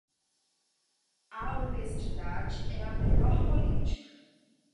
A honestidade é a melhor política.